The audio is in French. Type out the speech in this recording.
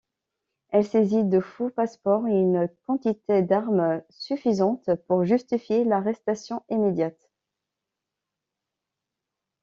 Elle saisit de faux passeports et une quantité d'armes suffisante pour justifier l'arrestation immédiate.